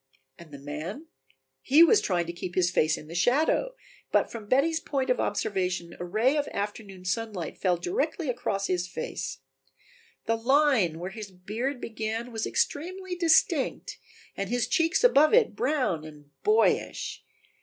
And the man? He was trying to keep his face in the shadow, but from Betty's point of observation a ray of afternoon sunlight fell directly across his face. The line where his beard began was extremely distinct and his cheeks above it brown and boyish.